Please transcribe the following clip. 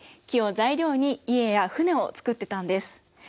木を材料に家や船を作ってたんです。